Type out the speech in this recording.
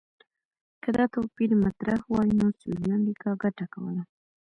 که دا توپیر مطرح وای، نو سویلي امریکا ګټه کوله.